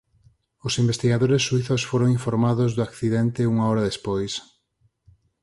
Os investigadores suízos foron informados do accidente unha hora despois.